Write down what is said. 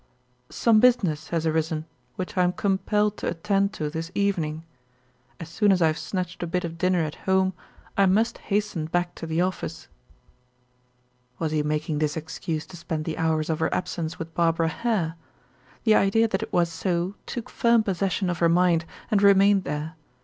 "Some business has arisen which I am compelled to attend to this evening. As soon as I have snatched a bit of dinner at home I must hasten back to the office." Was he making this excuse to spend the hours of her absence with Barbara Hare? The idea that it was so took firm possession of her mind, and remained there.